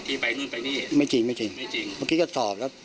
ไปนู่นไปนี่ไม่จริงไม่จริงไม่จริงเมื่อกี้ก็สอบแล้ว